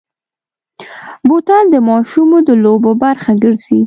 بوتل د ماشومو د لوبو برخه ګرځي.